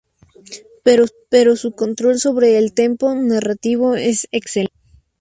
Pero su control sobre el tempo narrativo es excelente.